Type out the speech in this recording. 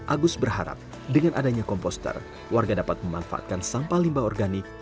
agus berharap dengan adanya komposter warga dapat memanfaatkan sampah limbah organik